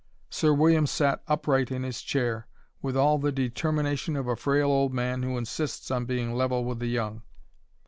Sir William sat upright in his chair, with all the determination of a frail old man who insists on being level with the young.